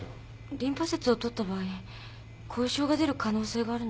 リンパ節を取った場合後遺症が出る可能性があるのでは？